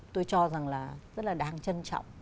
tôi cho rằng là rất là đáng trân trọng